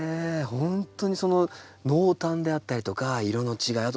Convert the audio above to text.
ほんとにその濃淡であったりとか色の違い